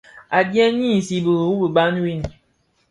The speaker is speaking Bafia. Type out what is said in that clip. Adyèn i nzibiri wu iban win,